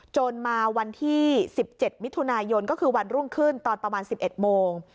จนมาวันที่๑๗มิถุนายนก็คือวันรุ่งขึ้นตอนประมาณ๑๑โมง